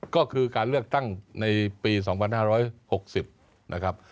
ก็คือการเลือกตั้งในปี๒๕๖๐นะครับ